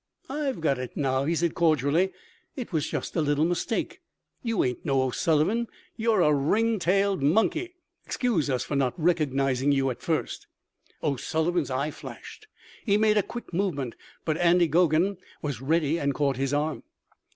"I've got it now," he said cordially. "It was just a little mistake. You ain't no O'Sullivan. You are a ring tailed monkey. Excuse us for not recognising you at first." O'Sullivan's eye flashed. He made a quick movement, but Andy Geoghan was ready and caught his arm.